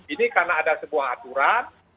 ini karena ada sebuah aturan